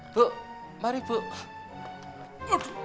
bu mari bu